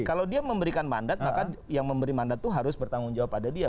kalau dia memberikan mandat maka yang memberi mandat itu harus bertanggung jawab pada dia